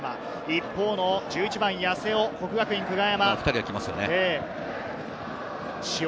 一方の１１番・八瀬尾、國學院久我山。